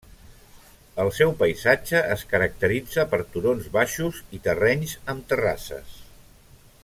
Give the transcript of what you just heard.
El seu paisatge es caracteritza per turons baixos i terrenys amb terrasses.